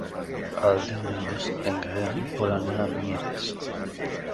El deu d'agost en Gaël vol anar a Mieres.